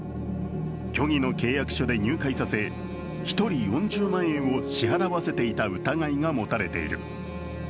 虚偽の契約書で入会させ、１人４０万円を支払わせていた疑いが持たれている。